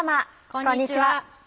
こんにちは。